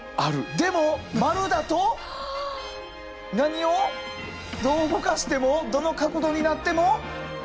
でも丸だと何をどう動かしてもどの角度になっても。